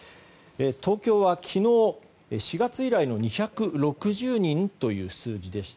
東京は昨日、４月以来の２６０人という数字でした。